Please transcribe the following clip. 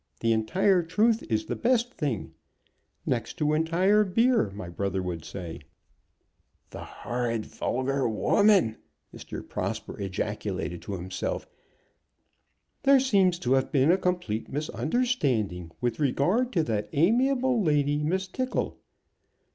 The entire truth is the best thing, next to entire beer, my brother would say." "The horrid vulgar woman!" Mr. Prosper ejaculated to himself. "'There seems to have been a complete misunderstanding with regard to that amiable lady, Miss Tickle.'